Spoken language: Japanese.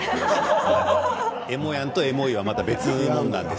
エモヤンとエモいはまた別問題です。